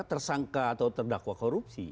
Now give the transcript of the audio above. tersangka atau terdakwa korupsi